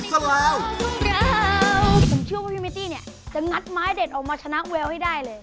จะงัดไม้เด็ดออกมาชนะเวลาให้ได้เลย